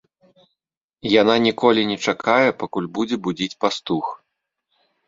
Яна ніколі не чакае, пакуль будзе будзіць пастух.